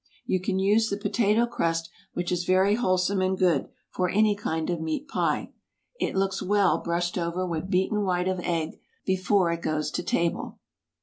You can use the potato crust, which is very wholesome and good, for any kind of meat pie. It looks well brushed over with beaten white of egg before it goes to table.